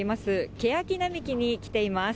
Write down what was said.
ケヤキ並木に来ています。